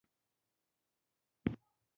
که رښتیا ووایم زه له تا ډېره وډاره شوم.